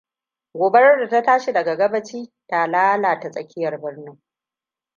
Gobarar da ta tashi daga gabaci, ta lalata tsakiyar birnin.